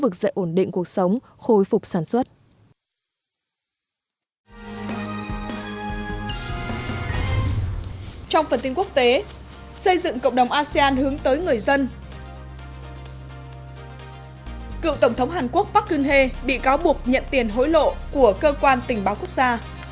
cựu tổng thống hàn quốc park geun hye bị cáo buộc nhận tiền hối lộ của cơ quan tình báo quốc gia